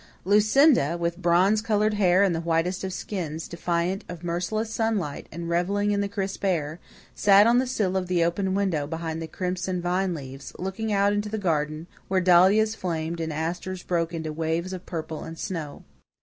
Lucinda, with bronze colored hair and the whitest of skins, defiant of merciless sunlight and revelling in the crisp air, sat on the sill of the open window behind the crimson vine leaves, looking out into the garden, where dahlias flamed and asters broke into waves of purple and snow.